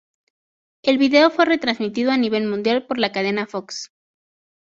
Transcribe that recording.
El vídeo fue retransmitido a nivel mundial por la cadena Fox.